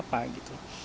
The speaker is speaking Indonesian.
obatnya apa gitu